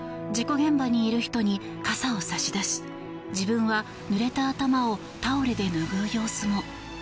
事故現場にいる人に傘を差し出し自分はぬれた頭をタオルで拭う様子も。